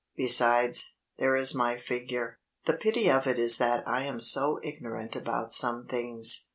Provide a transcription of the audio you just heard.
Besides, there is my figure. The pity of it is that I am so ignorant about some things.